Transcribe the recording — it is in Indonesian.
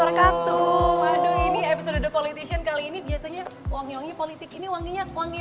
rasanya asem garam seperti ini kayaknya biasanya uangnya uangnya politik ini wanginya uangnya